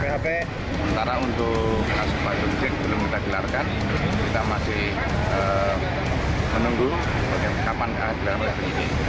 sementara untuk kasus fap rizik belum kita jelarkan kita masih menunggu kapan keadilan akan jadi